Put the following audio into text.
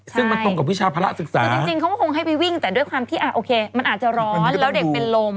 ซึ่งมันตรงกับวิชาภาระศึกษาคือจริงเขาก็คงให้ไปวิ่งแต่ด้วยความที่โอเคมันอาจจะร้อนแล้วเด็กเป็นลม